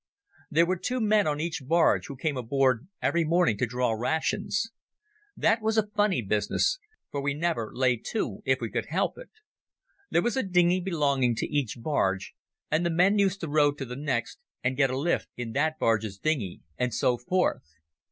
There were two men on each barge, who came aboard every morning to draw rations. That was a funny business, for we never lay to if we could help it. There was a dinghy belonging to each barge, and the men used to row to the next and get a lift in that barge's dinghy, and so forth.